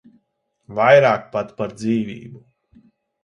Vairāk pat par dzīvību.